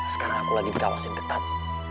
sekarang aku lagi di kawasan ketat